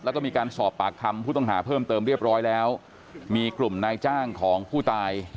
แล้วก็มีการสอบปากคำผู้ต้องหาเพิ่มเติมเรียบร้อยแล้วมีกลุ่มนายจ้างของผู้ตาย